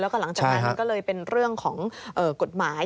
แล้วก็หลังจากนั้นมันก็เลยเป็นเรื่องของกฎหมาย